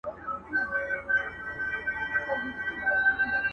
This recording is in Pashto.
نوی منبر به جوړوو زاړه یادونه سوځو!